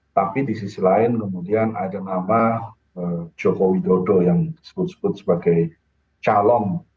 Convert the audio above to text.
tapi di sisi lain kemudian ada nama joko widodo yang disebut sebut sebagai calon